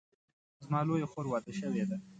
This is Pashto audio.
زما لویه خور واده شوې ده